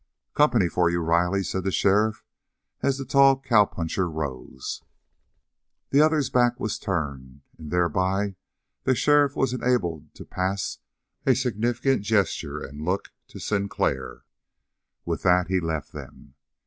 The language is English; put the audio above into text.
"Company for you, Riley," said the sheriff, as the tall cowpuncher rose. The other's back was turned, and thereby the sheriff was enabled to pass a significant gesture and look to Sinclair. With that he left them.